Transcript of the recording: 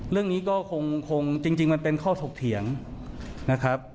เรื่องนี้ก็คงจริงมันเป็นข้อถกเถียงนะครับ